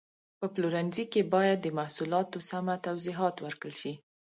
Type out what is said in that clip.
په پلورنځي کې باید د محصولاتو سمه توضیحات ورکړل شي.